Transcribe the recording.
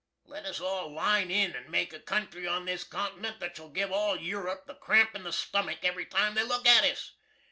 Let us all line in and make a country on this continent that shall giv' all Europe the cramp in the stummuck ev'ry time they look at us!